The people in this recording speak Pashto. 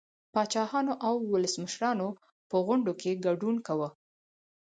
پاچاهانو او ولسمشرانو په غونډو کې ګډون کاوه